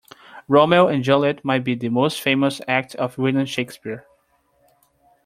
Romeo and Juliet might be the most famous act of William Shakespeare.